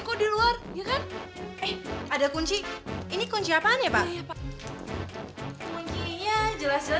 gue gak akan gemuk lagi